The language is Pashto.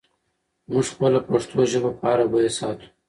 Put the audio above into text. موږ خپله پښتو ژبه په هره بیه ساتو.